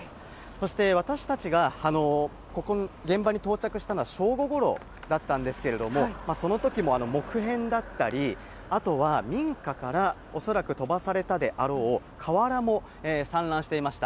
そして私たちがここ、現場に到着したのは正午ごろだったんですけれども、そのときも木片だったり、あとは民家から恐らく飛ばされたであろう瓦も散乱していました。